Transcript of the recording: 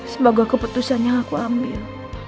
semoga keputusan yang aku ambil